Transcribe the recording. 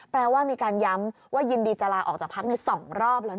แปลว่ามีการย้ำว่ายินดีจะลาออกจากพักใน๒รอบแล้วนะ